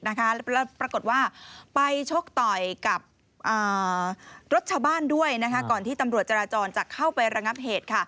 แล้วปรากฏว่าไปชกต่อยกับรถชาวบ้านด้วยก่อนที่ตำรวจจราจรจะเข้าไประงับเหตุ